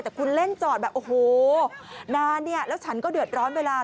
แต่คุณเล่นจอดแบบโอ้โหนานเนี่ยแล้วฉันก็เดือดร้อนเวลา